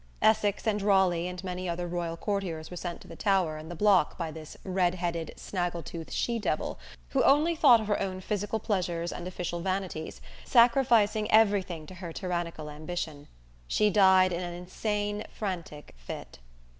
Essex and Raleigh, and many other royal courtiers were sent to the Tower and the block by this red headed, snaggle tooth she devil, who only thought of her own physical pleasures and official vanities, sacrificing everything to her tyrannical ambition. She died in an insane, frantic fit.